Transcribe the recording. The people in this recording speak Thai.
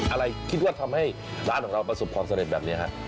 อะไรคิดว่าทำให้ร้านของเราประสุทธิ์พร้อมเสร็จแบบนี้ครับ